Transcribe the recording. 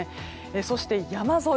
そして、山沿い。